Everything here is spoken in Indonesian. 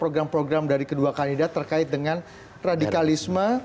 program program dari kedua kandidat terkait dengan radikalisme